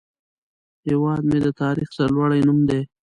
هیواد مې د تاریخ سرلوړی نوم دی